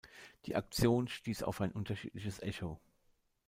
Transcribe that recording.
Die Aktion stieß auf ein unterschiedliches Echo.